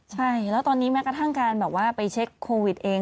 ใช่แล้วตอนนี้แม้กระทั่งการแบบว่าไปเช็คโควิดเอง